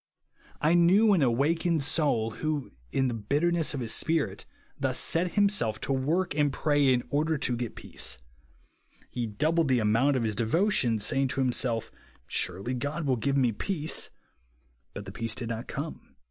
I knew an awakened soul who, in the bitterness of his spirit, thus set himself to work and pray in order to get peace. He doubled the amount of his devotions, saying to himsolf. Surely God will give me peace. But the peace did not come.